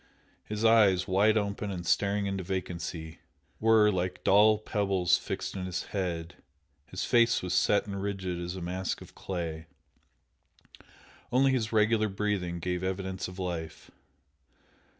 His eyes, wide open and staring into vacancy, were, like dull pebbles, fixed in his head, his face was set and rigid as a mask of clay only his regular breathing gave evidence of life.